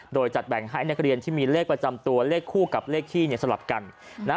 โดยจัดแบ่งให้นักเรียนที่มีเลขประจำตัวเลขคู่กับเลขที่เนี่ยสลับกันนะ